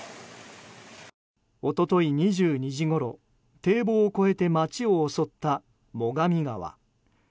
一昨日２２時ごろ堤防を越えて町を襲った最上川。